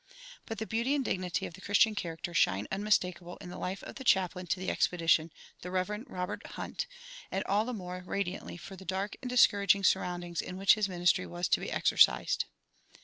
But the beauty and dignity of the Christian character shine unmistakable in the life of the chaplain to the expedition, the Rev. Robert Hunt, and all the more radiantly for the dark and discouraging surroundings in which his ministry was to be exercised.